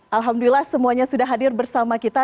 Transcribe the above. alhamdulillah semuanya sudah hadir bersama kita